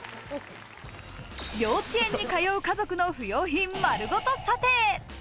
幼稚園に通う家族の不用品まるごと査定。